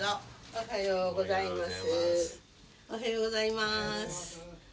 おはようございます。